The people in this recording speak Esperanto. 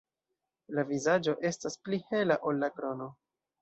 La vizaĝo estas pli hela ol la krono.